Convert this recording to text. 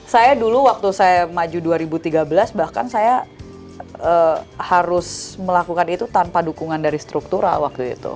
saya dulu waktu saya maju dua ribu tiga belas bahkan saya harus melakukan itu tanpa dukungan dari struktural waktu itu